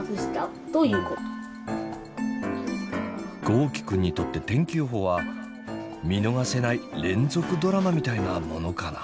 豪輝くんにとって天気予報は見逃せない連続ドラマみたいなものかな。